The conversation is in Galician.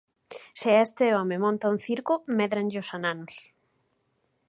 Se este home monta un circo, médranlle os ananos.